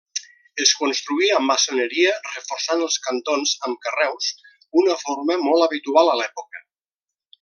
Es construí amb maçoneria reforçant els cantons amb carreus, una forma molt habitual a l'època.